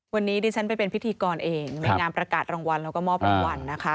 วันนี้ดิฉันไปเป็นพิธีกรเองในงานประกาศรางวัลแล้วก็มอบรางวัลนะคะ